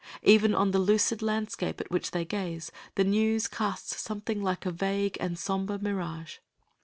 Even on the lucid landscape at which they gaze the news casts something like a vague and somber mirage.